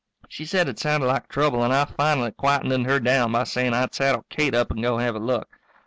She said it sounded like trouble and I finally quietened her down by saying I'd saddle Kate up and go have a look.